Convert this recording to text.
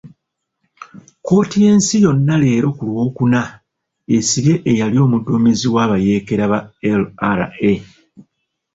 Kkooti y'ensi yonna leero ku Lwokuna esibye eyali omuduumizi w'abayeekera ba LRA .